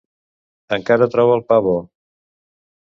Encara troba el pa bo.